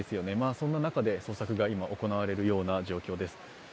そんな中で捜索が今、行われるような状況です。